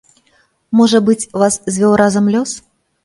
Можа быць, вас звёў разам лёс?